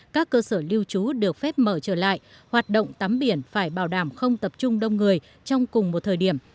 các cơ sở lưu trú được phép mở trở lại hoạt động tắm biển phải bảo đảm không tập trung đông người trong cùng một thời điểm